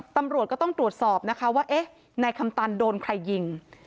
ตำรวจก็ต้องตรวจสอบนะคะว่าเอ๊ะนายคำตันโดนใครยิง